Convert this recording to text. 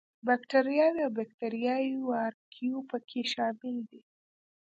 باکټریاوې او باکټریايي وارکیو په کې شامل دي.